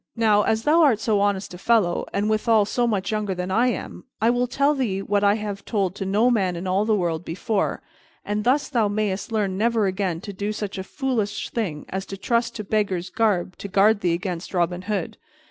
"Now, as thou art so honest a fellow, and, withal, so much younger than I am, I will tell thee that which I have told to no man in all the world before, and thus thou mayst learn never again to do such a foolish thing as to trust to beggar's garb to guard thee against Robin Hood.